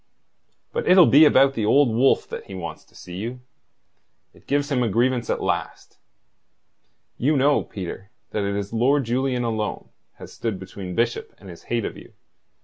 "But it'll be about the Old Wolf that he wants to see you. It gives him a grievance at last. You know, Peter, that it is Lord Julian alone has stood between Bishop and his hate of you.